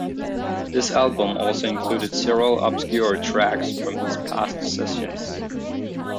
This album also included several obscure tracks from his past sessions.